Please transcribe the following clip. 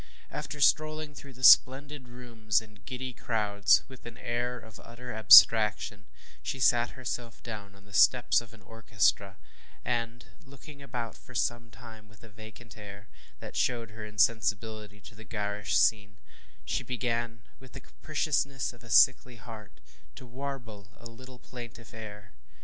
After strolling through the splendid rooms and giddy crowd with an air of utter abstraction, she sat herself down on the steps of an orchestra, and, looking about for some time with a vacant air, that showed her insensibility to the garish scene, she began, with the capriciousness of a sickly heart, to warble a little plaintive air.